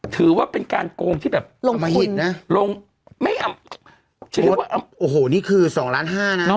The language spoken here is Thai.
ถือว่าเป็นการโกงที่แบบลงไม่อ่ะโอ้โหนี่คือสองล้านห้านะ